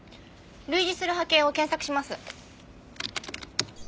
類似する波形を検索します。